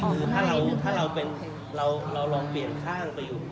คือถ้าเราลองเปลี่ยนข้างไปอยู่